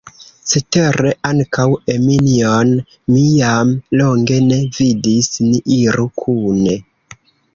Cetere ankaŭ Eminjon mi jam longe ne vidis, ni iru kune.